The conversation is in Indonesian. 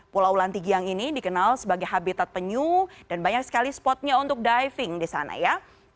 pulau lantigiang ini dikenal sebagai habitat penyu dan banyak sekali spotnya untuk diving di sana ya